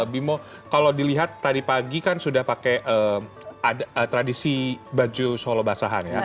bimo kalau dilihat tadi pagi kan sudah pakai tradisi baju solo basahan ya